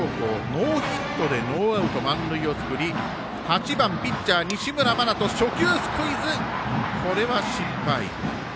ノーヒットでノーアウト満塁を作り８番、ピッチャー、西村真人初球スクイズ、これは失敗。